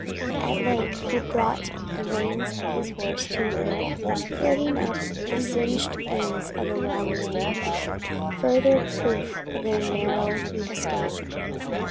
At length he brought the reins of his horse to her, flirting up the singed ends of the long mane, further proof of their narrow escape.